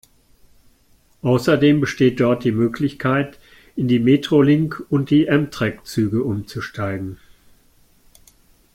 Außerdem besteht dort die Möglichkeit, in die Metrolink- und die Amtrak-Züge umzusteigen.